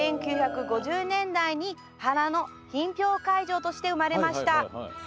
１９５０年代に花の品評会場として生まれました。